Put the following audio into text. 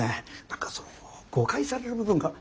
何かその誤解される部分が。